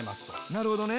なるほどね。